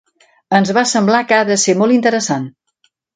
Ens va semblar que ha de ser molt interessant.